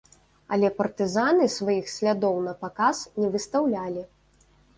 Але партызаны сваіх слядоў напаказ не выстаўлялі.